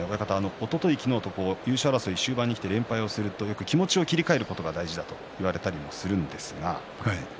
おととい、昨日と優勝争い終盤にきて連敗するとよく気持ちを切り替えることが大事だと言われたりもするんですが。